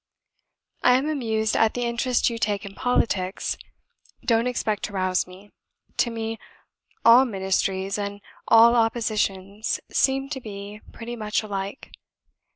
"I am amused at the interest you take in politics. Don't expect to rouse me; to me, all ministries and all oppositions seem to be pretty much alike.